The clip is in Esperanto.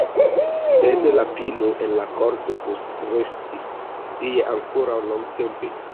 Sed la pino en la korto postrestis tie ankoraŭ longtempe.